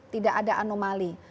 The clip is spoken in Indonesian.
tidak ada anomali